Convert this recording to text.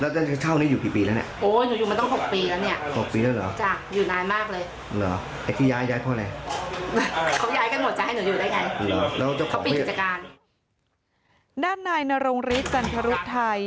ด้านนายนรงฤทธิจันทรุไทย